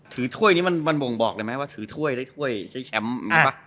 ถือถ้วยนี้มันมันบ่งบอกเลยไหมว่าทือถ้วยได้ถ้วยใช้แชมป์อ่า